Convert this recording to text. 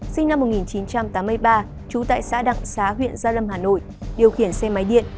sinh năm một nghìn chín trăm tám mươi ba trú tại xã đặng xá huyện gia lâm hà nội điều khiển xe máy điện